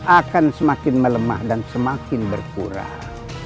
akan semakin melemah dan semakin berkurang